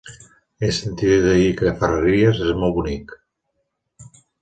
He sentit a dir que Ferreries és molt bonic.